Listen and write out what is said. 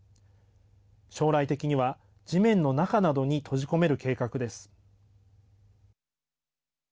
将来的には地面の中などに閉じ込める計画です。